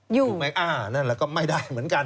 อยู่นั่นแล้วก็ไม่ได้เหมือนกัน